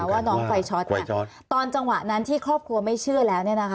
ว่าน้องไฟช็อตตอนจังหวะนั้นที่ครอบครัวไม่เชื่อแล้ว